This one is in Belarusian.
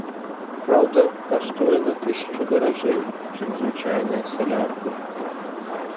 Праўда, каштуе на тысячу даражэй, чым звычайная салярка.